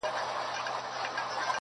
نه؛ مزل سخت نه و، آسانه و له هري چاري.